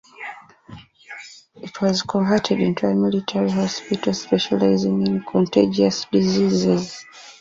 It was converted into a military hospital specialising in contagious diseases.